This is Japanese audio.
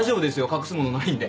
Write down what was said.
隠すものないんで。